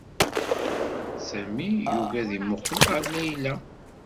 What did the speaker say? Sami yugi ad yemmuqqel ɣer Layla.